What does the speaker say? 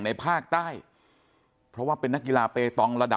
คุณยายบอกว่ารู้สึกเหมือนใครมายืนอยู่ข้างหลัง